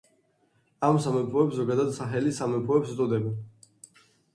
ამ სამეფოებს ზოგადად საჰელის სამეფოებს უწოდებენ.